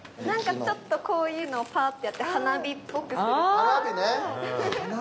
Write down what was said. なんかちょっとこういうのをパーッてやって花火っぽくする。